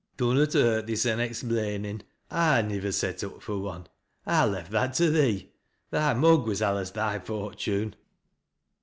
"Dannot hurt thysen explainin', I nivver set up fui one. I left that to thee. Thy mug wus alius thy fortune.''